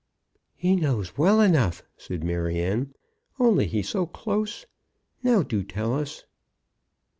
"He knows well enough," said Maryanne, "only he's so close. Now do tell us."